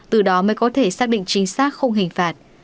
từ đó mới có thể xác định chính xác không hình phạt